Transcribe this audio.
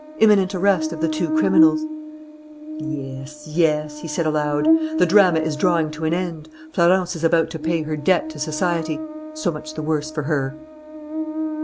"IMMINENT ARREST OF THE TWO CRIMINALS" "Yes, yes," he said aloud. "The drama is drawing to an end. Florence is about to pay her debt to society. So much the worse for her."